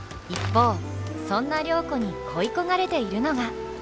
一方そんな良子に恋焦がれているのが。